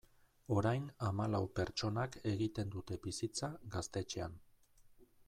Orain hamalau pertsonak egiten dute bizitza gaztetxean.